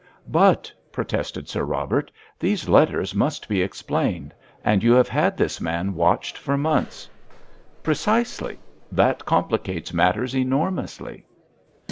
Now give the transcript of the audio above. "But," protested Sir Robert, "these letters must be explained; and you have had this man watched for months." "Precisely; that complicates matters enormously."